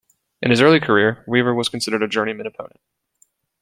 In his early career, Weaver was considered a journeyman opponent.